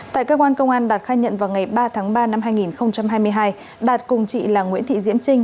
tại công an tp bến tre công an đạt khai nhận vào ngày ba tháng ba năm hai nghìn hai mươi hai đạt cùng chị là nguyễn thị diễm trinh